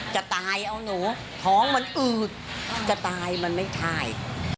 จะตายเอาหนูท้องมันอืดจะตายมันไม่ใช่